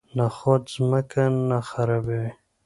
نخود ځمکه نه خرابوي.